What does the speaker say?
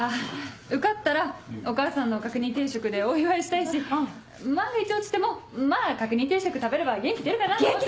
受かったらお母さんの角煮定食でお祝いしたいし万が一落ちてもまぁ角煮定食食べれば元気出るかなと思って。